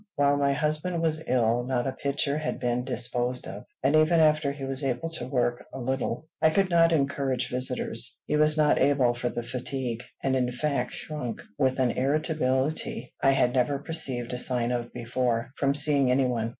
While my husband was ill, not a picture had been disposed of; and even after he was able to work a little, I could not encourage visitors: he was not able for the fatigue, and in fact shrunk, with an irritability I had never perceived a sign of before, from seeing any one.